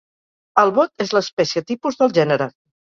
El bot és l'espècie tipus del gènere.